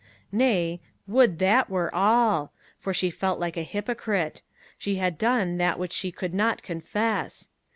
Nay, would that were all! for she felt like a hypocrite: she had done that which she could not confess.